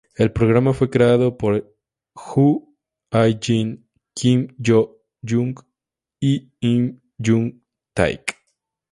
El programa fue creado por Jo Hyo-jin, Kim Joo-hyung y Im Hyung-taek.